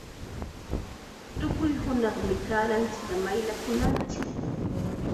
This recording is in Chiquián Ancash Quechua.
Tukuy hunaqmi kaaranchikta mayllakunanchik.